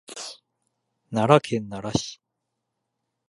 奈良県奈良市